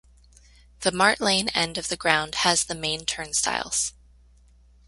The Mart Lane end of the ground has the main turnstiles.